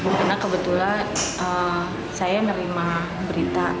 karena kebetulan saya nerima berita